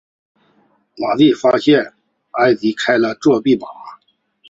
马蒂发现埃迪开了作弊码。